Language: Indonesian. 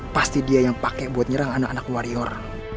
pasti dia yang pakai buat nyerang anak anak warior